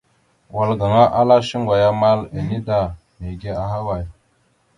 Wal gaŋa ala shuŋgo ya amal ene da ta, mege ahaway?